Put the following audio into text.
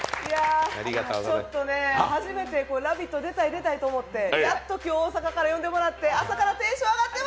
ちょっとね、初めて「ラヴィット！」出たい、出たいと思って、やっと今日、大阪から呼んでもらってイエーイ。